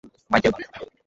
Michael বাড়ি যা।